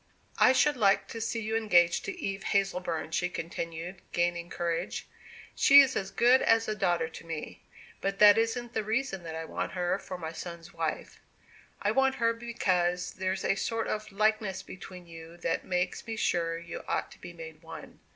"I should like to see you engaged to Eve Hazleburn," she continued, gaining courage. "She is as good as a daughter to me; but that isn't the reason that I want her for my son's wife. I want her, because there's a sort of likeness between you that makes me sure you ought to be made one.